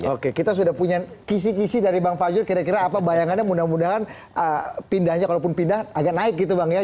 oke kita sudah punya kisi kisi dari bang fajrul kira kira apa bayangannya mudah mudahan pindahnya kalaupun pindah agak naik gitu bang ya